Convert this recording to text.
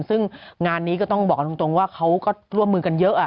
ซึ่งงานนี้ก็ต้องบอกกันตรงว่าเขาก็ร่วมมือกันเยอะ